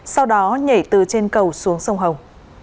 sau đó nhảy từ trên cầu xuống sông hồng